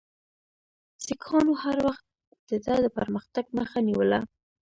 سیکهانو هر وخت د ده د پرمختګ مخه نیوله.